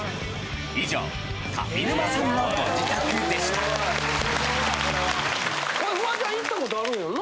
以上上沼さんのご自宅でしたこれフワちゃん行ったことあるんやな？